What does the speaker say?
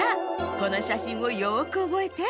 このしゃしんをよくおぼえて。